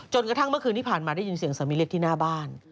กระทั่งเมื่อคืนที่ผ่านมาได้ยินเสียงสามีเรียกที่หน้าบ้าน